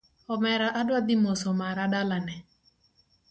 Omera adwa dhi moso mara dalane